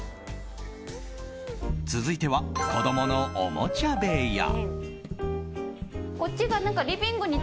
続いては、子供のおもちゃ部屋。